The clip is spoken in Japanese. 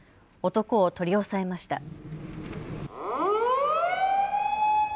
男を取り押さえました。